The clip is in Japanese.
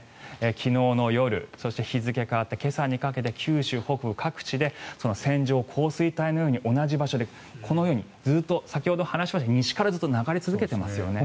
昨日の夜そして日付変わって今朝にかけて九州北部、各地で線状降水帯のように同じ場所でこのようにずっと先ほど話しましたが西からずっと流れ続けてますよね。